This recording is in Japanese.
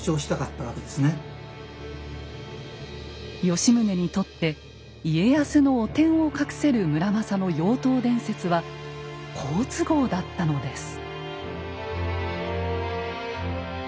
吉宗にとって家康の汚点を隠せる村正の「妖刀伝説」は好都合だったのです。